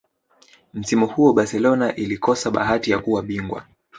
msimu huo barcelona ilikosa bahati ya kuwa bingwa